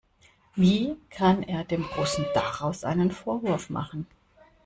Wie kann er dem Russen daraus einem Vorwurf machen?